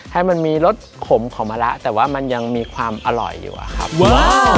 ให้มันมีรสขมของมะละแต่ยังมีความอร่อยอยู่